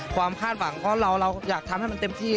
ความคาดหวังก็เราอยากทำให้มันเต็มที่